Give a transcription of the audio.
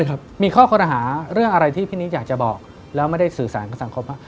ครับมีข้อคอรหาเรื่องอะไรที่พี่นิดอยากจะบอกแล้วไม่ได้สื่อสารกับสังคมว่า